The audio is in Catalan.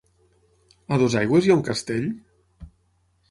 A Dosaigües hi ha un castell?